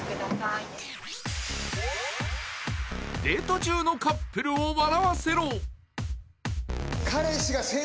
［デート中のカップルを笑わせろ！］